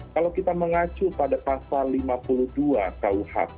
kalau kita mengacu pada pasal lima puluh dua kuhp